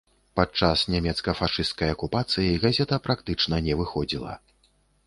Падчас нямецка-фашысцкай акупацыі газета практычна не выходзіла.